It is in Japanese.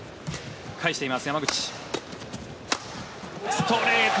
ストレート！